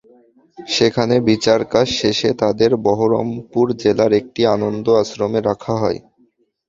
সেখানে বিচারকাজ শেষে তাদের বহরমপুর জেলার একটি আনন্দ আশ্রমে রাখা হয়।